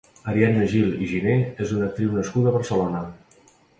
Ariadna Gil i Giner és una actriu nascuda a Barcelona.